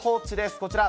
こちら。